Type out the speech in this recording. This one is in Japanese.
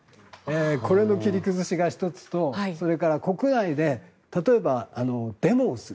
これの切り崩しが１つとそれから国内で例えば、デモをする。